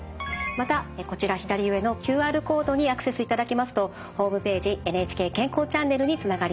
またこちら左上のＱＲコードにアクセスいただきますとホームページ「ＮＨＫ健康チャンネル」につながります。